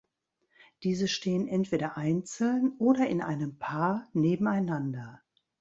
Diese stehen entweder einzeln oder in einem Paar nebeneinander.